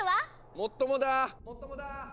・もっともだ！